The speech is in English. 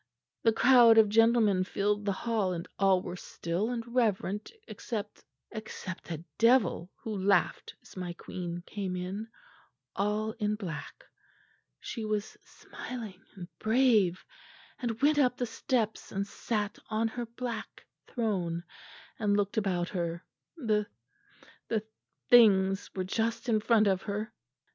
The crowd of gentlemen filled the hall and all were still and reverent except except a devil who laughed as my queen came in, all in black. She was smiling and brave, and went up the steps and sat on her black throne and looked about her. The the things were just in front of her.